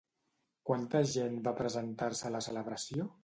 Quanta gent va presentar-se a la celebració?